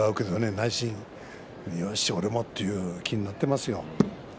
内心に、よし俺もという気になっていますよ。